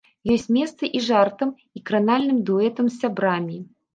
Ёсць месца і жартам, і кранальным дуэтам з сябрамі.